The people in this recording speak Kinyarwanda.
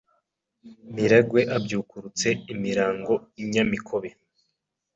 Miragwe abyukurutse imirango i Nyamikobe